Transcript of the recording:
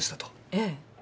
ええ。